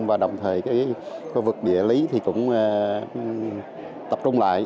và đồng thời vực địa lý cũng tập trung lại